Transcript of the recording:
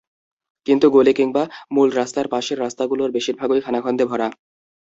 কিন্তু গলি কিংবা মূল রাস্তার পাশের রাস্তাগুলোর বেশির ভাগই খানাখন্দে ভরা।